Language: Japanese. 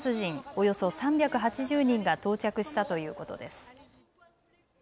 およそ３８０人が到着したということです。